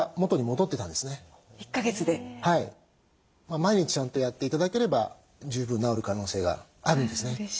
毎日ちゃんとやって頂ければ十分なおる可能性があるんですね。